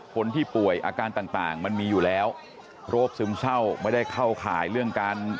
คนที่ป่วยอาการต่างต่างมันมีอยู่แล้วโรคซึมเศร้าไม่ได้เข้าข่ายเรื่องการ